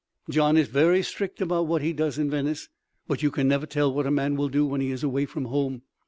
Gian is very strict about what he does in Venice, but you can never tell what a man will do when he is away from home.